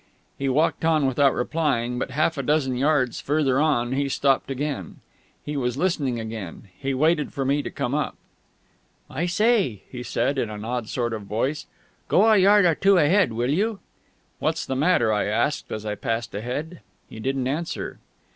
He walked on without replying; but half a dozen yards farther on he stopped again. He was listening again. He waited for me to come up. "I say," he said, in an odd sort of voice, "go a yard or two ahead, will you?" "What's the matter?" I asked, as I passed ahead. He didn't answer.